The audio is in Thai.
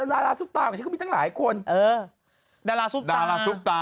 ดารับทุกตามีแฟนเป็นอดีตนักร้อง